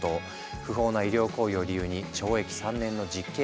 不法な医療行為を理由に懲役３年の実刑判決が下った。